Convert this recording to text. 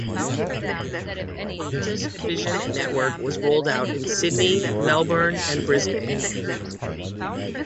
The Optus Vision network was rolled out in Sydney, Melbourne and Brisbane.